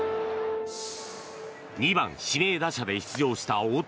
２番指名打者で出場した大谷。